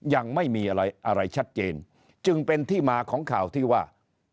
ยังไม่มีอะไรอะไรชัดเจนจึงเป็นที่มาของข่าวที่ว่า